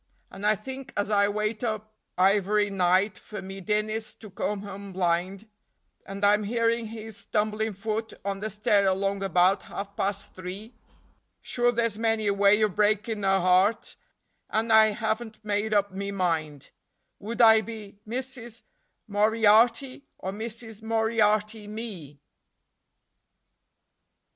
And I think, as I wait up ivery night for me Dinnis to come home blind, And I'm hearin' his stumblin' foot on the stair along about half past three: Sure there's many a way of breakin' a heart, and I haven't made up me mind Would I be Missis Moriarty, or Missis Moriarty me?